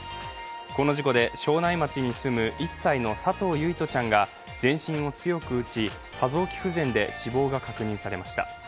この事故で、庄内町に住む１歳の佐藤唯叶ちゃんが全身を強く打ち、多臓器不全で死亡が確認されました。